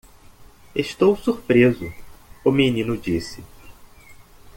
"Estou surpreso?" o menino disse.